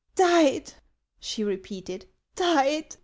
" Died !" she repeated. " died